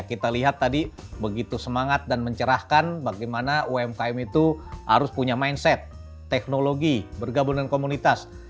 kita lihat tadi begitu semangat dan mencerahkan bagaimana umkm itu harus punya mindset teknologi bergabung dengan komunitas